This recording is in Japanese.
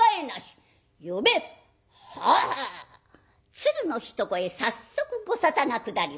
鶴の一声早速ご沙汰が下ります。